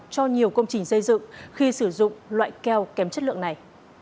cho nhiều công trình xây dựng khi sử dụng loại keo kém chất lượng này